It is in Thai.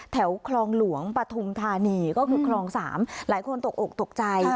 แถวคลองหลวงปฐุมธานีก็คือคลอง๓หลายคนตกอกตกใจ